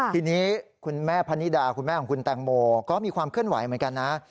ทีนี้คุณแม่พนิดาคุณแม่ของคุณแตงโมก็มีความเคลื่อนไหวเหมือนกันนะ